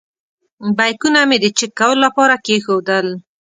بیکونه مې د چېک کولو لپاره کېښودل.